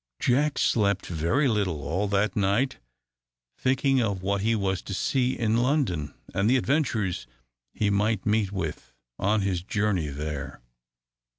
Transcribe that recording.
Jack slept very little all that night, thinking of what he was to see in London, and the adventures he might meet with on his journey there.